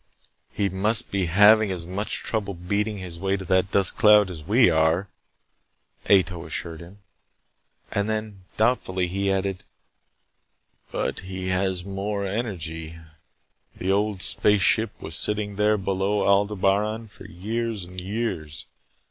"He must be having as much trouble beating his way to that dust cloud as we are," Ato assured him. And then, doubtfully, he added. "But he has more energy. The Old Space Ship was sitting there below Aldebaran for years and years.